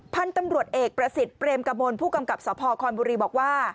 พันธุ์ตำรวจเอกประสิทธิ์เปรมกมลผู้กำกับสพคอนบุรีบอกว่า